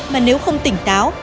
mà nếu không tỉnh táo